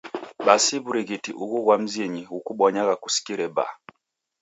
Basi wur'ighiti ughu ghwa mzinyi ghukubonyagha kusikire baa.